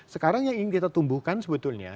sekarang yang ingin kita tumbuhkan sebetulnya